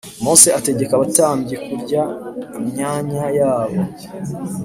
Mose ategeka abatambyi kurya imyanya yabo